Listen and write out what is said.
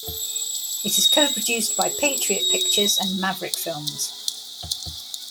It is co-produced by Patriot Pictures and Maverick Films.